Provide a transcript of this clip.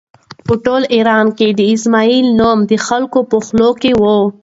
په ټول ایران کې د اسماعیل نوم د خلکو په خولو کې و.